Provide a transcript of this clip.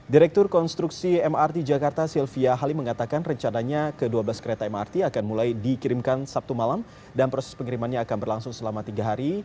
direktur konstruksi mrt jakarta sylvia halim mengatakan rencananya ke dua belas kereta mrt akan mulai dikirimkan sabtu malam dan proses pengirimannya akan berlangsung selama tiga hari